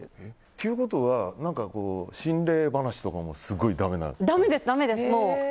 ということは何か心霊話とかもだめなの？